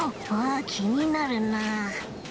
あきになるなあ。